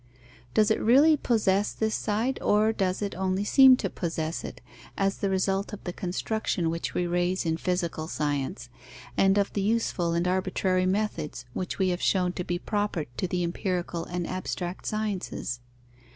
Does it really possess this side, or does it only seem to possess it, as the result of the construction which we raise in physical science, and of the useful and arbitrary methods, which we have shown to be proper to the empirical and abstract sciences?